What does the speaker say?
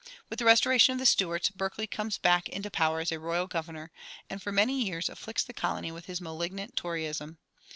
With the restoration of the Stuarts, Berkeley comes back into power as royal governor, and for many years afflicts the colony with his malignant Toryism.